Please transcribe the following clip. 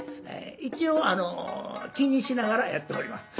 一応あの気にしながらやっております。